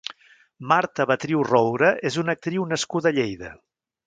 Marta Betriu Roure és una actriu nascuda a Lleida.